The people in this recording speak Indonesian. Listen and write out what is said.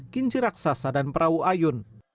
kincir raksasa dan perahu ayun